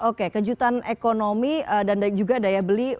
oke kejutan ekonomi dan juga daya beli